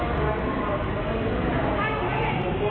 สาวพ่อ